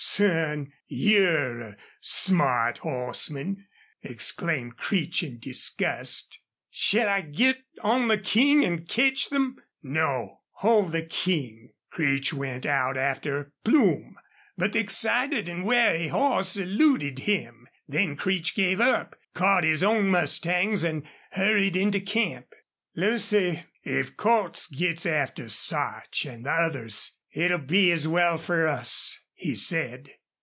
"Son, you're a smart hossman!" exclaimed Creech, in disgust. "Shall I git on the King an' ketch them?" "No. Hold the King." Creech went out after Plume, but the excited and wary horse eluded him. Then Creech gave up, caught his own mustangs, and hurried into camp. "Lucy, if Cordts gits after Sarch an' the others it'll be as well fer us," he said.